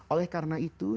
oleh karena itu